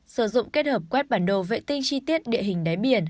sử dụng kết hợp quét bản đồ vệ tinh chi tiết địa hình đáy biển